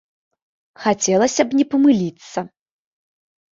Хацелася б не памыліцца.